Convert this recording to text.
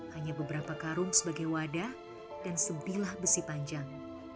hanya beberapa karung sebagai wadah dan sebilah besi panjang